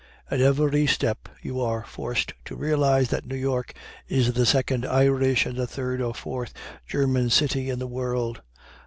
At every step you are forced to realize that New York is the second Irish and the third or fourth German city in the world.